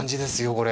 これ。